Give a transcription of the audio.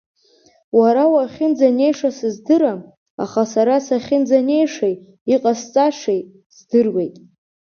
Уара уахьынӡанеиша сыздырам, аха сара сахьынӡанеишеи, иҟасҵашеи здыруеит.